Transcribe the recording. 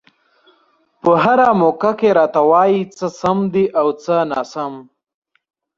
په هره موقع کې راته وايي څه سم دي او څه ناسم.